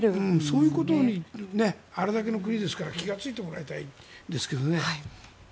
そういうことにあれだけの国ですから気がついてもらいたいですけどね。